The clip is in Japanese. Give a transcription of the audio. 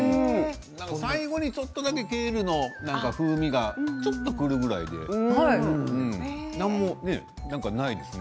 最後にちょっとだけケールの風味がちょっとくるぐらいで何もないですね